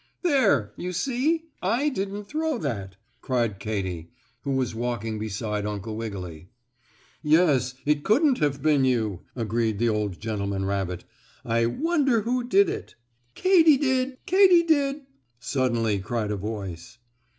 "There! You see, I didn't throw that," cried Katy, who was walking beside Uncle Wiggily. "Yes, it couldn't have been you," agreed the old gentleman rabbit. "I wonder who did it?" "Katy did! Katy did!" suddenly cried a voice.